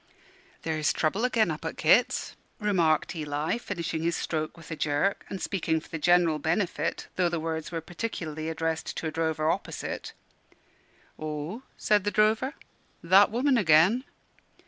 "There's trouble agen, up at Kit's," remarked Eli, finishing his stroke with a jerk, and speaking for the general benefit, though the words were particularly addressed to a drover opposite. "Ho?" said the drover: "that woman agen?"